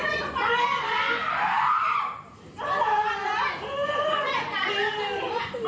ไอ้แม่ได้เอาแม่ดูนะ